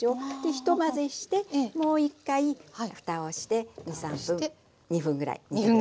ひと混ぜしてもう一回ふたをして２３分２分ぐらい煮て下さい。